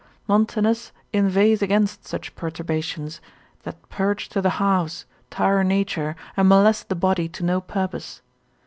Montanus consil. 30. inveighs against such perturbations, that purge to the halves, tire nature, and molest the body to no purpose.